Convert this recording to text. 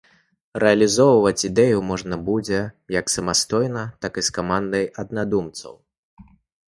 Рэалізоўваць ідэю можна будзе як самастойна, так і з камандай аднадумцаў.